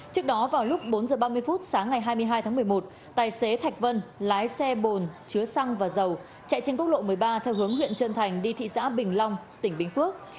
trước đó vào lúc bốn h ba mươi phút sáng ngày hai mươi hai tháng một mươi một tài xế thạch vân lái xe bồn chứa xăng và dầu chạy trên quốc lộ một mươi ba theo hướng huyện trân thành đi thị xã bình long tỉnh bình phước